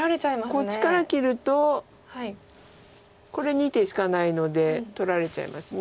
こっちから切るとこれ２手しかないので取られちゃいます。